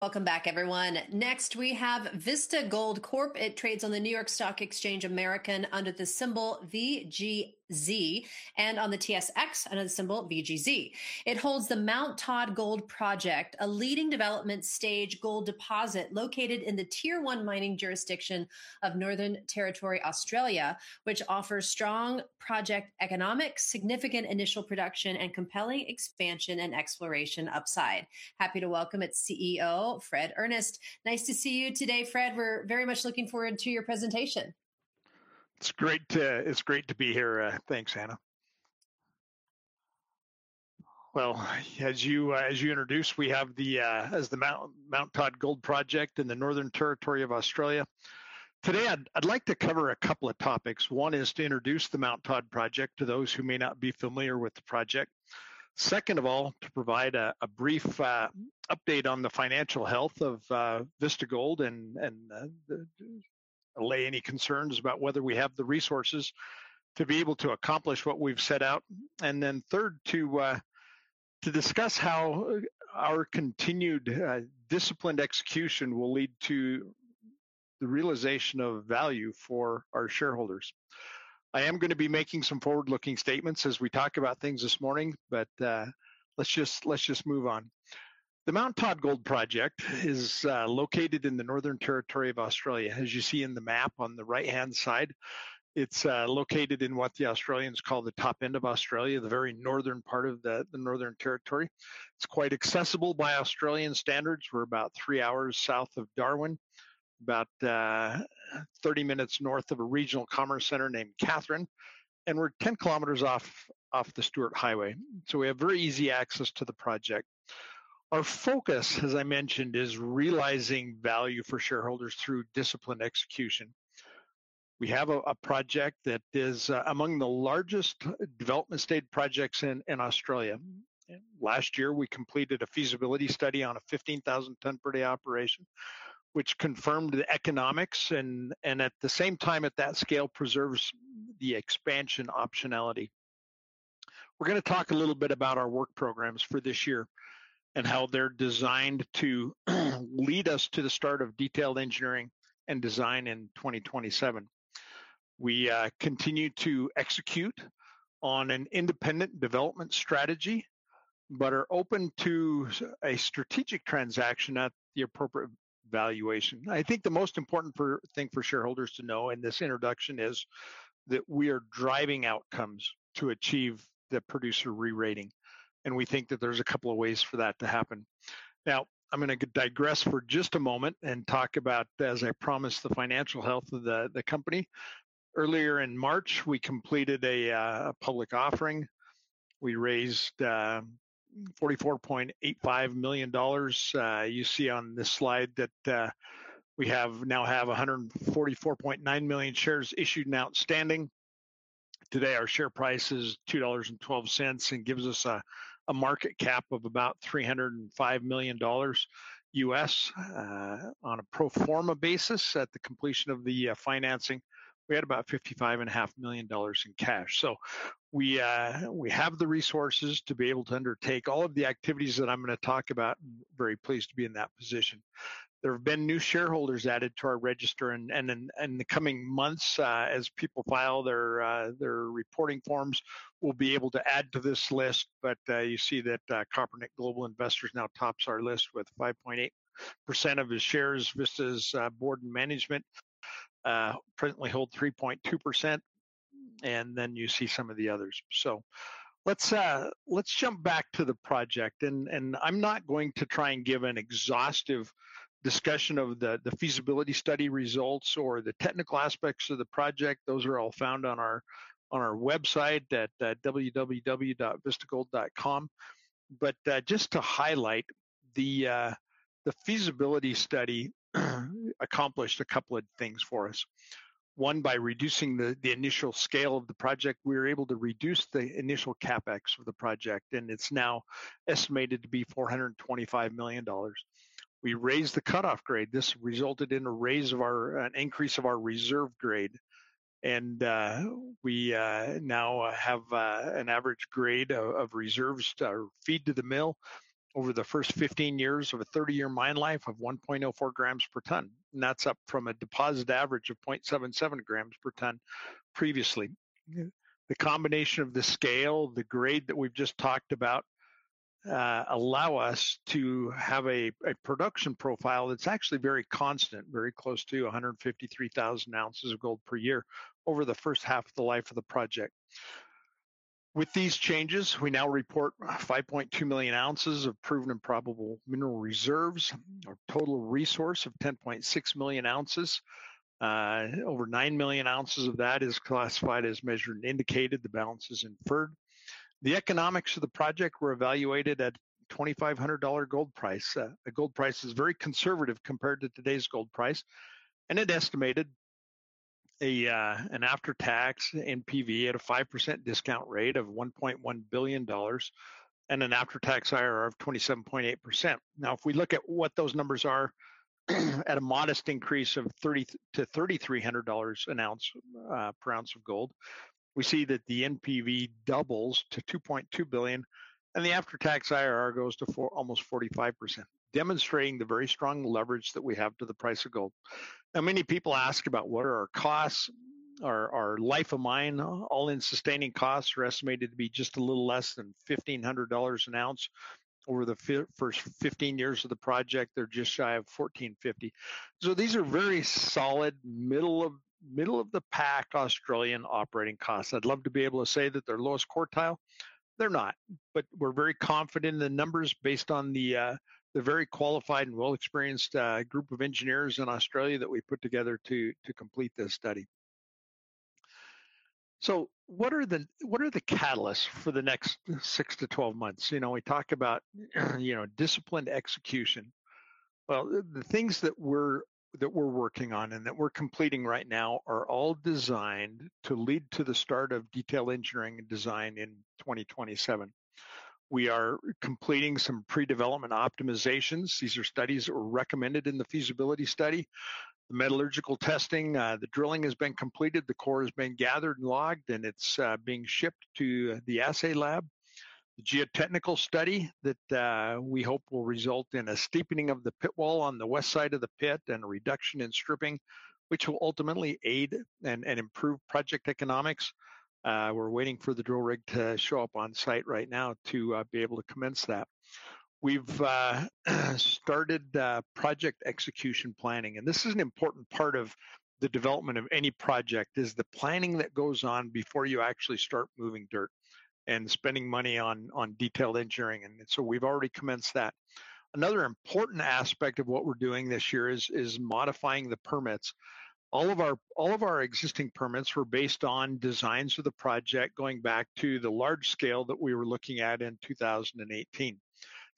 Welcome back, everyone. Next, we have Vista Gold Corp. It trades on the NYSE American under the symbol VGZ, and on the TSX under the symbol VGZ. It holds the Mt Todd Gold Project, a leading development stage gold deposit located in the Tier 1 mining jurisdiction of Northern Territory, Australia, which offers strong project economics, significant initial production, and compelling expansion and exploration upside. Happy to welcome its CEO, Fred Earnest. Nice to see you today, Fred. We're very much looking forward to your presentation. It's great to be here. Thanks, Anna. Well, as you introduced, we have the Mt Todd Gold Project in the Northern Territory of Australia. Today, I'd like to cover a couple of topics. One is to introduce the Mt Todd project to those who may not be familiar with the project. Second of all, to provide a brief update on the financial health of Vista Gold and allay any concerns about whether we have the resources to be able to accomplish what we've set out. Then third, to discuss how our continued disciplined execution will lead to the realization of value for our shareholders. I am gonna be making some forward-looking statements as we talk about things this morning, but let's just move on. The Mt Todd Gold Project is located in the Northern Territory of Australia. As you see in the map on the right-hand side, it's located in what the Australians call the top end of Australia, the very northern part of the Northern Territory. It's quite accessible by Australian standards. We're about three hours south of Darwin, about 30 minutes north of a regional commerce center named Katherine, and we're 10 kilometers off the Stuart Highway. We have very easy access to the project. Our focus, as I mentioned, is realizing value for shareholders through disciplined execution. We have a project that is among the largest development-stage projects in Australia. Last year, we completed a feasibility study on a 15,000 ton per day operation, which confirmed the economics and at the same time at that scale preserves the expansion optionality. We're gonna talk a little bit about our work programs for this year and how they're designed to lead us to the start of detailed engineering and design in 2027. We continue to execute on an independent development strategy, but are open to a strategic transaction at the appropriate valuation. I think the most important thing for shareholders to know in this introduction is that we are driving outcomes to achieve the producer re-rating, and we think that there's a couple of ways for that to happen. Now, I'm gonna digress for just a moment and talk about, as I promised, the financial health of the company. Earlier in March, we completed a public offering. We raised $44.85 million. You see on this slide that we now have 144.9 million shares issued and outstanding. Today, our share price is $2.12 and gives us a market cap of about $305 million. On a pro forma basis at the completion of the financing, we had about $55 and a half million in cash. We have the resources to be able to undertake all of the activities that I'm gonna talk about. Very pleased to be in that position. There have been new shareholders added to our register and in the coming months, as people file their reporting forms, we'll be able to add to this list. You see that Kopernik Global Investors now tops our list with 5.8% of the shares versus board and management presently hold 3.2%, and then you see some of the others. Let's jump back to the project, and I'm not going to try and give an exhaustive discussion of the feasibility study results or the technical aspects of the project. Those are all found on our website at vistagold.com. Just to highlight the feasibility study accomplished a couple of things for us. One, by reducing the initial scale of the project, we were able to reduce the initial CapEx for the project, and it's now estimated to be $425 million. We raised the cutoff grade. This resulted in an increase of our reserve grade, and we now have an average grade of reserves to feed to the mill over the first 15 years of a 30-year mine life of 1.04 grams per ton. That's up from a deposit average of 0.77 grams per ton previously. The combination of the scale, the grade that we've just talked about, allows us to have a production profile that's actually very constant, very close to 153,000 oz of gold per year over the first half of the life of the project. With these changes, we now report 5.2 million oz of Proven and Probable Mineral Reserves. A total resource of 10.6 million oz. Over 9 million oz of that is classified as Measured and Indicated. The balance is inferred. The economics of the project were evaluated at $2,500 gold price. The gold price is very conservative compared to today's gold price, and it estimated an after-tax NPV at a 5% discount rate of $1.1 billion and an after-tax IRR of 27.8%. Now, if we look at what those numbers are at a modest increase of $3,000-$3,300 an oz per oz of gold, we see that the NPV doubles to $2.2 billion, and the after-tax IRR goes to almost 45%, demonstrating the very strong leverage that we have to the price of gold. Many people ask about what our costs are, our life of mine. All-in Sustaining Costs are estimated to be just a little less than $1,500 an oz. Over the first 15 years of the project, they're just shy of $1,450. These are very solid, middle of the pack Australian operating costs. I'd love to be able to say that they're lowest quartile. They're not. We're very confident in the numbers based on the very qualified and well-experienced group of engineers in Australia that we put together to complete this study. What are the catalysts for the next six to 12 months? You know, we talk about, you know, disciplined execution. Well, the things that we're working on and that we're completing right now are all designed to lead to the start of Detailed Engineering and Design in 2027. We are completing some pre-development optimizations. These are studies that were recommended in the feasibility study. The metallurgical testing, the drilling has been completed, the core has been gathered and logged, and it's being shipped to the assay lab. The geotechnical study that we hope will result in a steepening of the pit wall on the west side of the pit and a reduction in stripping, which will ultimately aid and improve project economics. We're waiting for the drill rig to show up on site right now to be able to commence that. We've started project execution planning, and this is an important part of the development of any project, is the planning that goes on before you actually start moving dirt and spending money on detailed engineering. We've already commenced that. Another important aspect of what we're doing this year is modifying the permits. All of our existing permits were based on designs for the project going back to the large scale that we were looking at in 2018.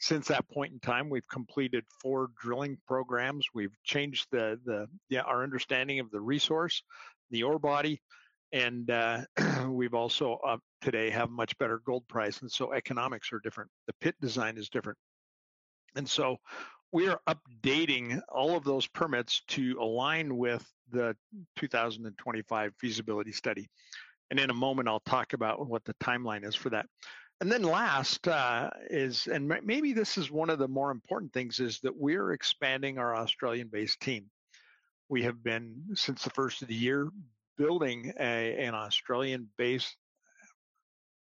Since that point in time, we've completed four drilling programs. We've changed our understanding of the resource, the ore body, and we've also today have much better gold price, and so economics are different. The pit design is different. We are updating all of those permits to align with the 2025 feasibility study. In a moment I'll talk about what the timeline is for that. Last, and maybe this is one of the more important things, that we're expanding our Australian-based team. We have been, since the first of the year, building an Australian-based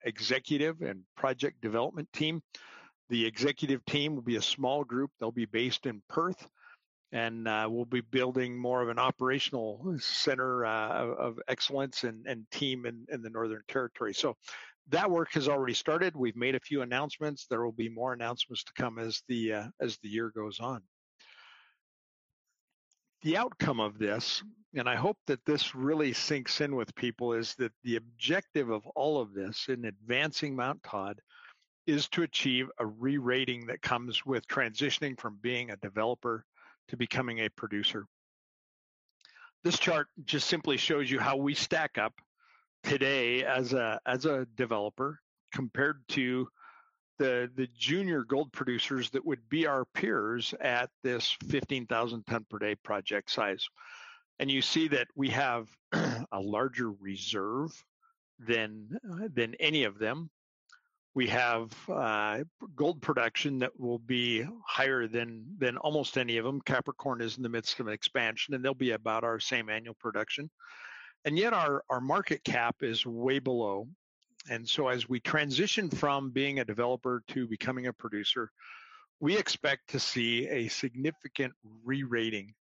executive and project development team. The executive team will be a small group. They'll be based in Perth, and we'll be building more of an operational center of excellence and team in the Northern Territory. That work has already started. We've made a few annozments. There will be more annozments to come as the year goes on. The outcome of this, and I hope that this really sinks in with people, is that the objective of all of this in advancing Mt Todd, is to achieve a re-rating that comes with transitioning from being a developer to becoming a producer. This chart just simply shows you how we stack up today as a developer compared to the junior gold producers that would be our peers at this 15,000 ton per day project size. You see that we have a larger reserve than any of them. We have gold production that will be higher than almost any of them. Capricorn Metals is in the midst of an expansion, and they'll be about our same annual production. Yet our market cap is way below. As we transition from being a developer to becoming a producer, we expect to see a significant re-rating.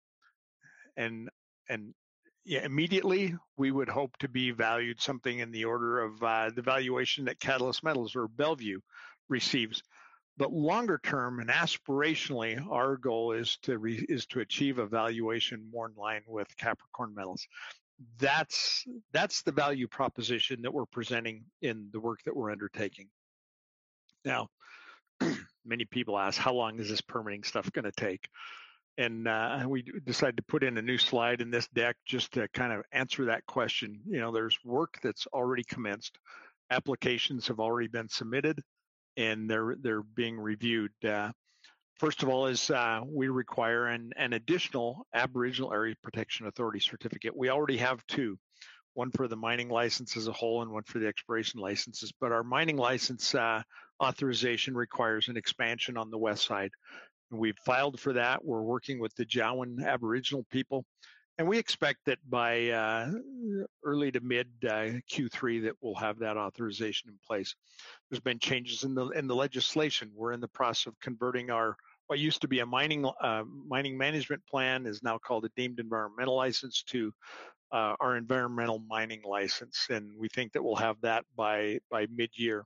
Immediately, we would hope to be valued something in the order of the valuation that Catalyst Metals or Bellevue receives. Longer term, and aspirationally, our goal is to achieve a valuation more in line with Capricorn Metals. That's the value proposition that we're presenting in the work that we're undertaking. Now, many people ask, "How long is this permitting stuff gonna take?" We decided to put in a new slide in this deck just to kind of answer that question. You know, there's work that's already commenced. Applications have already been submitted, and they're being reviewed. First of all, we require an additional Aboriginal Areas Protection Authority certificate. We already have two, one for the mining license as a whole and one for the exploration licenses. But our mining license authorization requires an expansion on the west side. We've filed for that. We're working with the Jawoyn Aboriginal people, and we expect that by early to mid-Q3 that we'll have that authorization in place. There's been changes in the legislation. We're in the process of converting our... What used to be a mining management plan is now called a deemed environmental license to our environmental mining license, and we think that we'll have that by mid-year.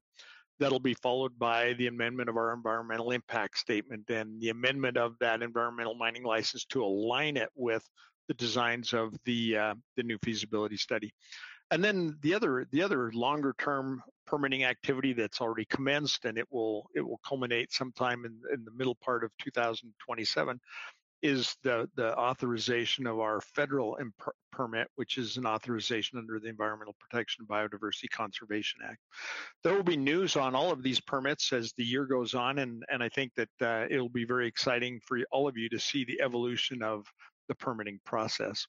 That'll be followed by the amendment of our Environmental Impact Statement, then the amendment of that environmental mining license to align it with the designs of the new feasibility study. The other longer term permitting activity that's already commenced, and it will culminate sometime in the middle part of 2027, is the authorization of our federal permit, which is an authorization under the Environment Protection and Biodiversity Conservation Act. There will be news on all of these permits as the year goes on, and I think that it'll be very exciting for all of you to see the evolution of the permitting process.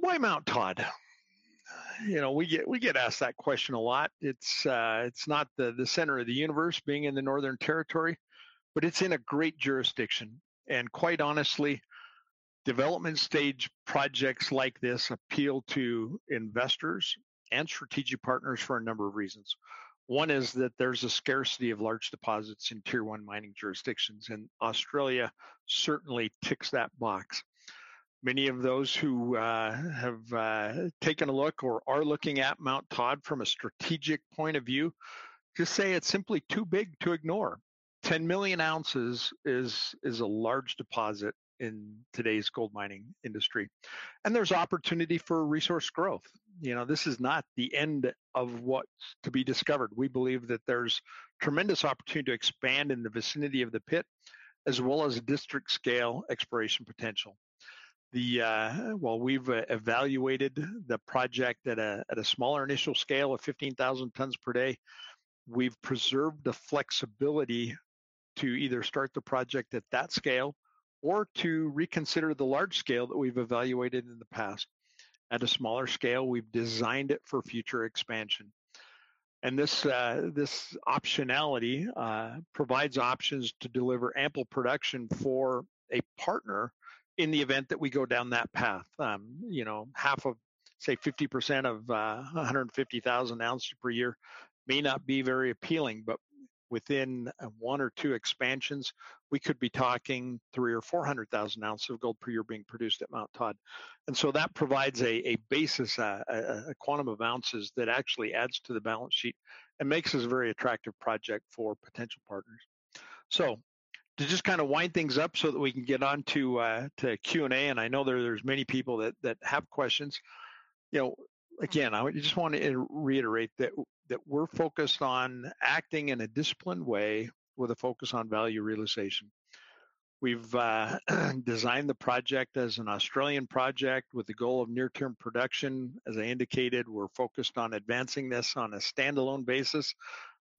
Why Mt Todd? You know, we get asked that question a lot. It's not the center of the universe being in the Northern Territory, but it's in a great jurisdiction. Quite honestly, development stage projects like this appeal to investors and strategic partners for a number of reasons. One is that there's a scarcity of large deposits in Tier 1 mining jurisdictions, and Australia certainly ticks that box. Many of those who have taken a look or are looking at Mt Todd from a strategic point of view just say it's simply too big to ignore. 10 million oz is a large deposit in today's gold mining industry, and there's opportunity for resource growth. You know, this is not the end of what's to be discovered. We believe that there's tremendous opportunity to expand in the vicinity of the pit, as well as district-scale exploration potential. While we've evaluated the project at a smaller initial scale of 15,000 tons per day, we've preserved the flexibility to either start the project at that scale or to reconsider the large scale that we've evaluated in the past. At a smaller scale, we've designed it for future expansion. This optionality provides options to deliver ample production for a partner in the event that we go down that path. You know, half of, say, 50% of 150,000 oz per year may not be very appealing, but within one or two expansions, we could be talking 300,000 or 400,000 oz of gold per year being produced at Mt Todd. That provides a quantum of oz that actually adds to the balance sheet and makes this a very attractive project for potential partners. To just kind of wind things up so that we can get onto to Q&A, and I know there's many people that have questions. You know, again, I just wanna reiterate that we're focused on acting in a disciplined way with a focus on value realization. We've designed the project as an Australian project with the goal of near-term production. As I indicated, we're focused on advancing this on a standalone basis,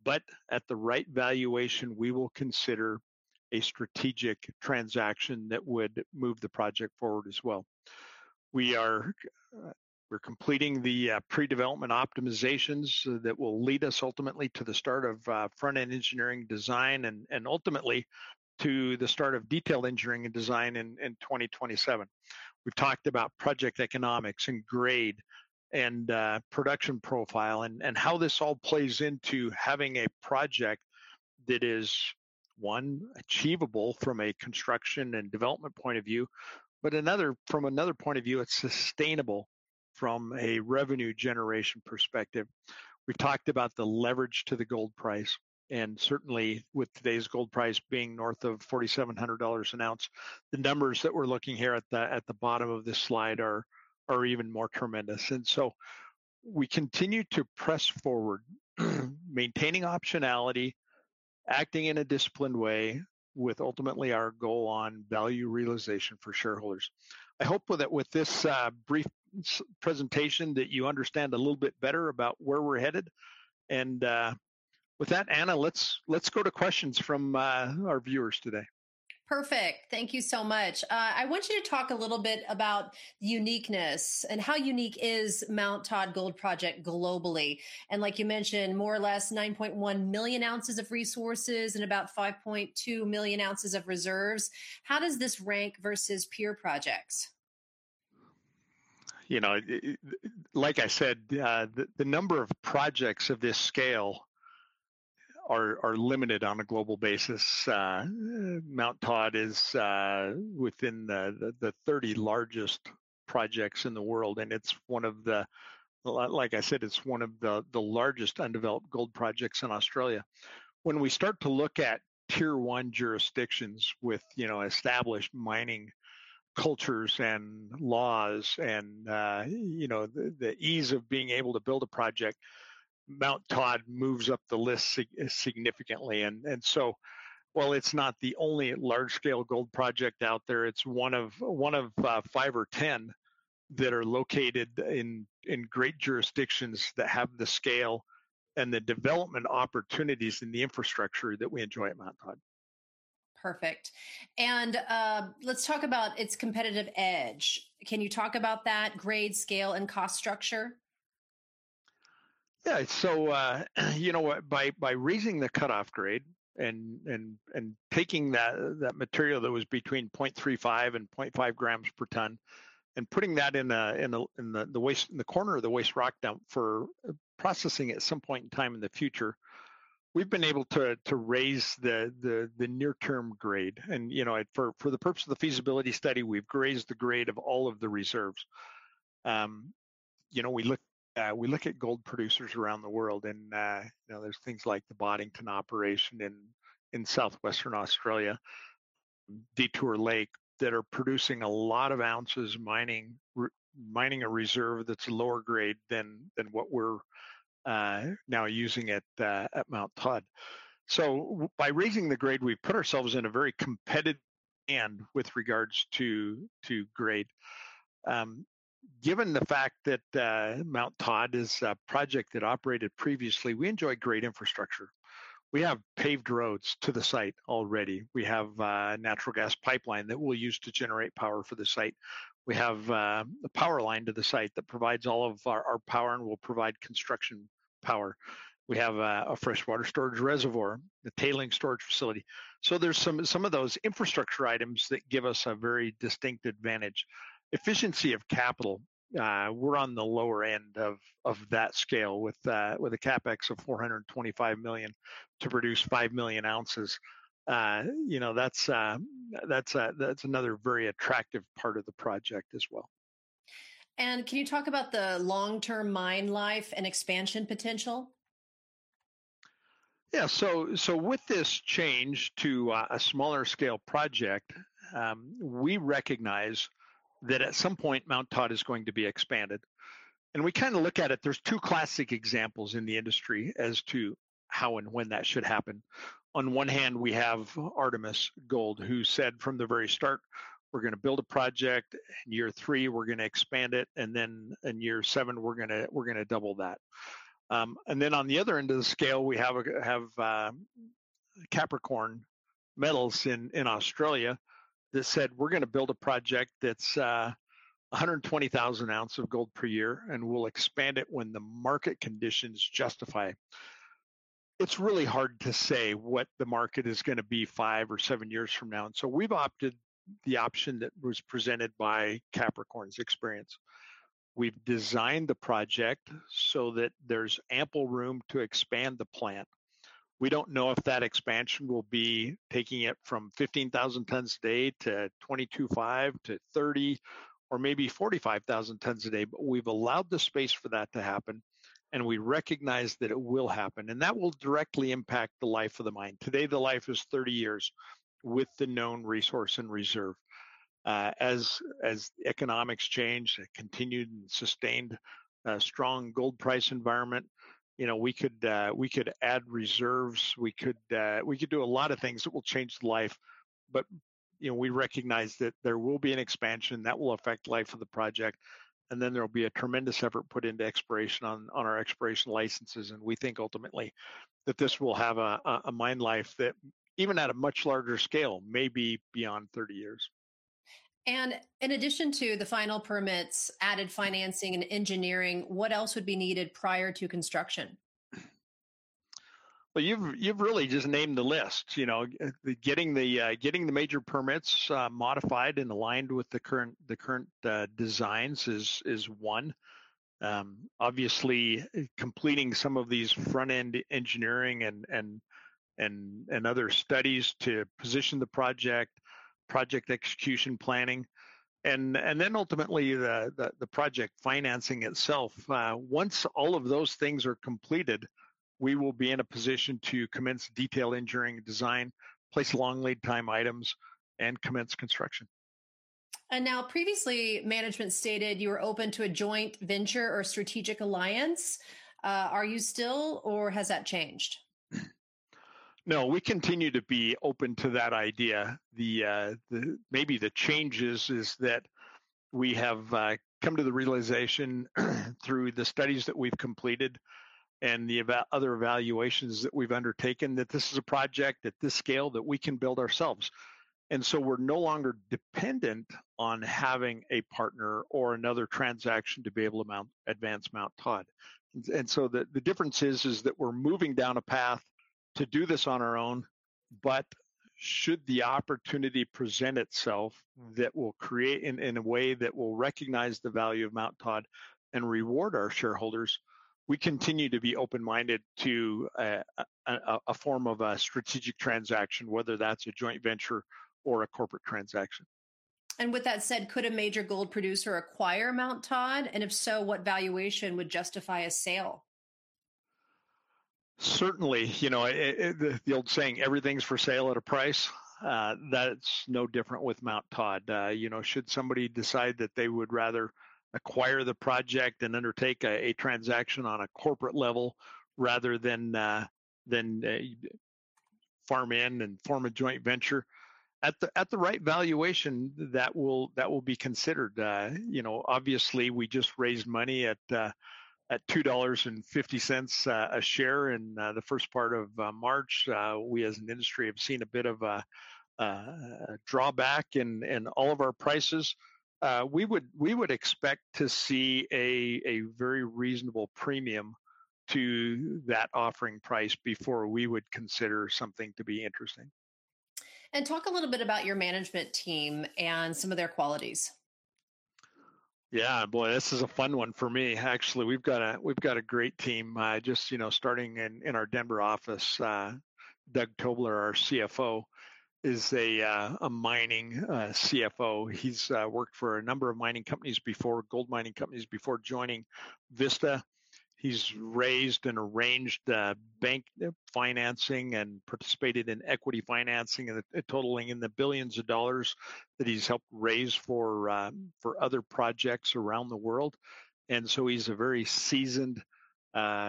but at the right valuation, we will consider a strategic transaction that would move the project forward as well. We're completing the pre-development optimizations that will lead us ultimately to the start of Front-End Engineering Design and ultimately to the start of Detailed Engineering and Design in 2027. We've talked about project economics and grade and production profile and how this all plays into having a project that is, one, achievable from a construction and development point of view, but from another point of view, it's sustainable from a revenue generation perspective. We talked about the leverage to the gold price, and certainly with today's gold price being north of $4,700 an oz, the numbers that we're looking at the bottom of this slide are even more tremendous. We continue to press forward, maintaining optionality, acting in a disciplined way with ultimately our goal on value realization for shareholders. I hope that with this brief presentation that you understand a little bit better about where we're headed. With that, Anna, let's go to questions from our viewers today. Perfect. Thank you so much. I want you to talk a little bit about uniqueness and how unique is Mt Todd Gold Project globally. Like you mentioned, more or less 9.1 million oz of resources and about 5.2 million oz of reserves. How does this rank versus peer projects? You know, like I said, the number of projects of this scale are limited on a global basis. Mt Todd is within the 30 largest projects in the world, and it's one of the largest undeveloped gold projects in Australia. When we start to look at Tier 1 jurisdictions with, you know, established mining cultures and laws and, you know, the ease of being able to build a project, Mt Todd moves up the list significantly. While it's not the only large-scale gold project out there, it's one of five or 10 that are located in great jurisdictions that have the scale and the development opportunities and the infrastructure that we enjoy at Mt Todd. Perfect. Let's talk about its competitive edge. Can you talk about that grade, scale, and cost structure? Yeah. You know what? By raising the cutoff grade and taking that material that was between 0.35 and 0.5 grams per ton and putting that in the corner of the waste rock dump for processing at some point in time in the future, we've been able to raise the near-term grade. You know, for the purpose of the feasibility study, we've raised the grade of all of the reserves. You know, we look at gold producers around the world and you know, there's things like the Boddington operation in southwestern Australia, Detour Lake, that are producing a lot of oz mining a reserve that's lower grade than what we're now using at Mt Todd. By raising the grade, we've put ourselves in a very competitive band with regards to grade. Given the fact that Mt Todd is a project that operated previously, we enjoy great infrastructure. We have paved roads to the site already. We have a natural gas pipeline that we'll use to generate power for the site. We have a power line to the site that provides all of our power and will provide construction power. We have a freshwater storage reservoir, a tailings storage facility. There's some of those infrastructure items that give us a very distinct advantage. Efficiency of capital, we're on the lower end of that scale with a CapEx of $425 million to produce 5 million oz. You know, that's another very attractive part of the project as well. Can you talk about the long-term mine life and expansion potential? Yeah. With this change to a smaller scale project, we recognize that at some point Mt Todd is going to be expanded. We kind of look at it. There's two classic examples in the industry as to how and when that should happen. On one hand, we have Artemis Gold who said from the very start, "We're gonna build a project. In year 3, we're gonna expand it, and then in year 7 we're gonna double that. And then on the other end of the scale, we have Capricorn Metals in Australia that said, "We're gonna build a project that's 120,000 oz of gold per year, and we'll expand it when the market conditions justify it." It's really hard to say what the market is gonna be 5 or 7 years from now, and so we've opted for the option that was presented by Capricorn's experience. We've designed the project so that there's ample room to expand the plant. We don't know if that expansion will be taking it from 15,000 tons a day to 22.5, to 30 or maybe 45,000 tons a day, but we've allowed the space for that to happen, and we recognize that it will happen. That will directly impact the life of the mine. Today, the life is 30 years with the known resource and reserve. As economics change, a continued and sustained strong gold price environment, you know, we could add reserves, we could do a lot of things that will change the life. You know, we recognize that there will be an expansion that will affect life of the project, and then there'll be a tremendous effort put into exploration on our exploration licenses, and we think ultimately that this will have a mine life that even at a much larger scale may be beyond 30 years. In addition to the final permits, added financing and engineering, what else would be needed prior to construction? Well, you've really just named the list, you know. Getting the major permits modified and aligned with the current designs is one. Obviously completing some of these front-end engineering and other studies to position the project execution planning, and then ultimately the project financing itself. Once all of those things are completed, we will be in a position to commence detailed engineering design, place long lead time items, and commence construction. Now previously management stated you were open to a joint venture or strategic alliance. Are you still or has that changed? No, we continue to be open to that idea. Maybe the changes is that we have come to the realization through the studies that we've completed and the other evaluations that we've undertaken, that this is a project at this scale that we can build ourselves. We're no longer dependent on having a partner or another transaction to be able to advance Mt Todd. The difference is that we're moving down a path to do this on our own, but should the opportunity present itself that will create in a way that will recognize the value of Mt Todd and reward our shareholders, we continue to be open-minded to a form of a strategic transaction, whether that's a joint venture or a corporate transaction. With that said, could a major gold producer acquire Mt Todd? If so, what valuation would justify a sale? Certainly, you know, the old saying, everything's for sale at a price, that's no different with Mt Todd. You know, should somebody decide that they would rather acquire the project and undertake a transaction on a corporate level rather than a farm in and form a joint venture, at the right valuation that will be considered. You know, obviously we just raised money at $2.50 a share in the first part of March. We as an industry have seen a bit of a drawback in all of our prices. We would expect to see a very reasonable premium to that offering price before we would consider something to be interesting. Talk a little bit about your management team and some of their qualities. Yeah. Boy, this is a fun one for me. Actually, we've got a great team. You know, starting in our Denver office, Doug Tobler, our CFO, is a mining CFO. He's worked for a number of mining companies before, gold mining companies before joining Vista. He's raised and arranged bank financing and participated in equity financing totaling in the billions of dollars that he's helped raise for other projects around the world. He's a very seasoned mining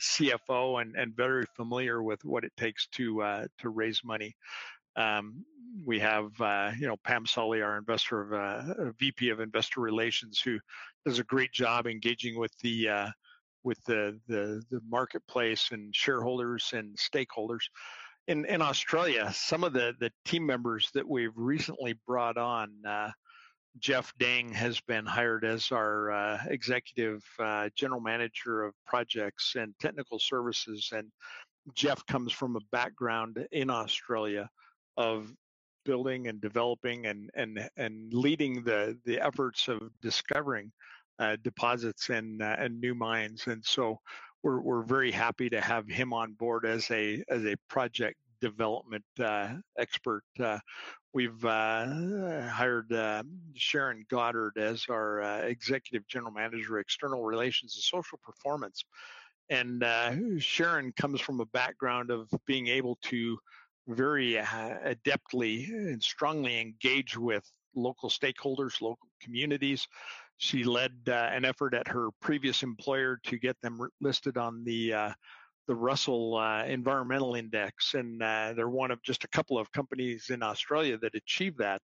CFO and very familiar with what it takes to raise money. You know, we have Pamela Solly, our VP of Investor Relations, who does a great job engaging with the marketplace and shareholders and stakeholders. In Australia, some of the team members that we've recently brought on, Jeff Dang has been hired as our Executive General Manager of Projects and Technical Services. Jeff comes from a background in Australia of building and developing and leading the efforts of discovering deposits and new mines. We're very happy to have him on board as a project development expert. We've hired Sharon Goddard as our Executive General Manager, External Relations and Social Performance. Sharon comes from a background of being able to very adeptly and strongly engage with local stakeholders, local communities. She led an effort at her previous employer to get them listed on the Russell Environmental Index, and they're one of just a couple of companies in Australia that achieve that.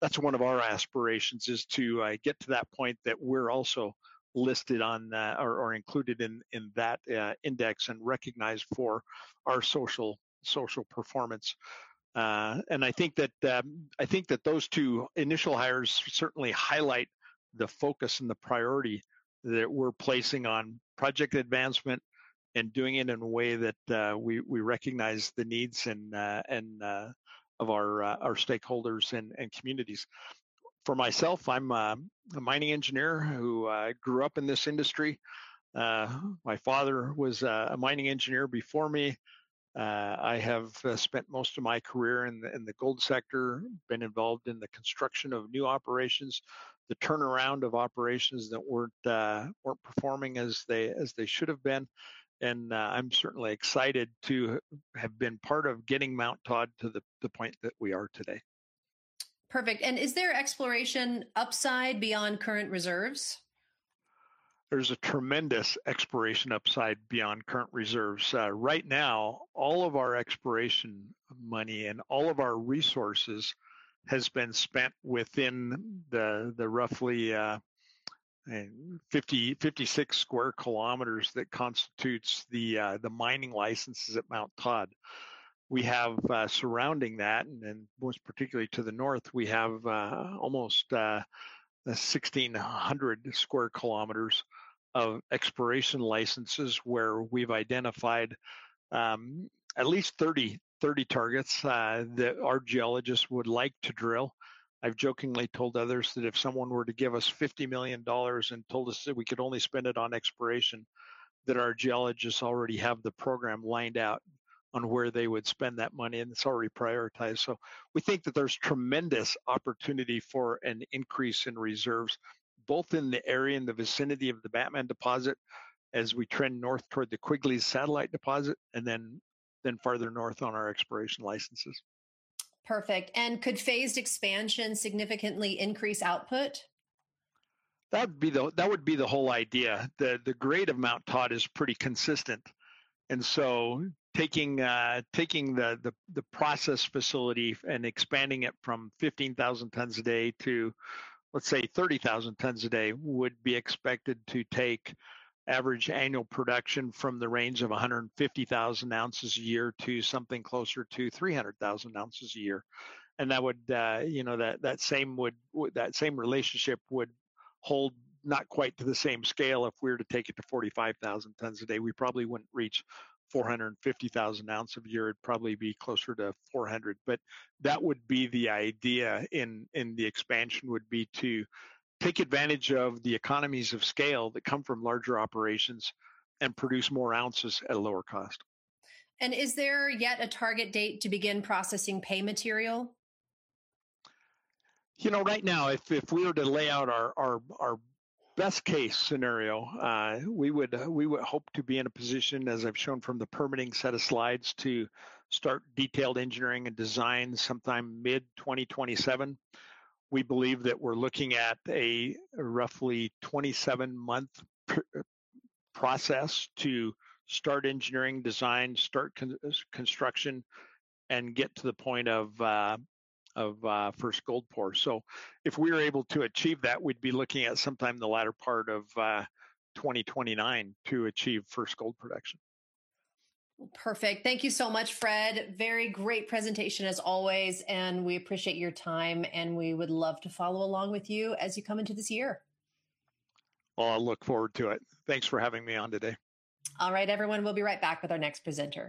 That's one of our aspirations is to get to that point that we're also listed on that or included in that index and recognized for our social performance. I think that those two initial hires certainly highlight the focus and the priority that we're placing on project advancement and doing it in a way that we recognize the needs and of our stakeholders and communities. For myself, I'm a mining engineer who grew up in this industry. My father was a mining engineer before me. I have spent most of my career in the gold sector, been involved in the construction of new operations, the turnaround of operations that weren't performing as they should have been. I'm certainly excited to have been part of getting Mt Todd to the point that we are today. Perfect. Is there exploration upside beyond current reserves? There's a tremendous exploration upside beyond current reserves. Right now, all of our exploration money and all of our resources has been spent within the roughly 56 square kilometers that constitutes the mining licenses at Mt Todd. We have surrounding that, and then most particularly to the north, we have almost 1,600 square kilometers of exploration licenses where we've identified at least 30 targets that our geologists would like to drill. I've jokingly told others that if someone were to give us $50 million and told us that we could only spend it on exploration, that our geologists already have the program lined out on where they would spend that money, and it's already prioritized. We think that there's tremendous opportunity for an increase in reserves, both in the area in the vicinity of the Batman deposit as we trend north toward the Quigley's gold deposit and then farther north on our exploration licenses. Perfect. Could phased expansion significantly increase output? That would be the whole idea. The grade of Mt Todd is pretty consistent, and so taking the process facility and expanding it from 15,000 tons a day to, let's say, 30,000 tons a day, would be expected to take average annual production from the range of 150,000 oz a year to something closer to 300,000 oz a year. That would, you know, that same relationship would hold not quite to the same scale if we were to take it to 45,000 tons a day. We probably wouldn't reach 450,000 oz a year. It'd probably be closer to 400. That would be the idea in the expansion would be to take advantage of the economies of scale that come from larger operations and produce more ounces at a lower cost. Is there yet a target date to begin processing pay material? You know, right now, if we were to lay out our best-case scenario, we would hope to be in a position, as I've shown from the permitting set of slides, to start Detailed Engineering and Design sometime mid-2027. We believe that we're looking at a roughly 27-month process to start engineering design, start construction, and get to the point of first gold pour. If we're able to achieve that, we'd be looking at sometime in the latter part of 2029 to achieve first gold production. Perfect. Thank you so much, Fred. Very great presentation as always, and we appreciate your time, and we would love to follow along with you as you come into this year. Oh, I look forward to it. Thanks for having me on today. All right, everyone, we'll be right back with our next presenter.